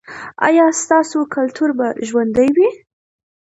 ایا ستاسو کلتور به ژوندی وي؟